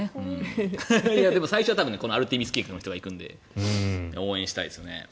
最初はこのアルテミス計画の人が行くので応援したいですね。